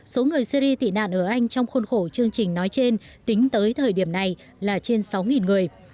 số người syri tị nạn ở anh trong khuôn khổ chương trình nói trên tính tới thời điểm này là trên sáu người